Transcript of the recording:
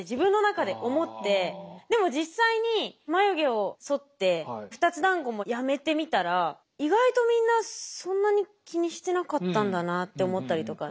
でも実際に眉毛をそって２つだんごもやめてみたら意外とみんなそんなに気にしてなかったんだなって思ったりとか。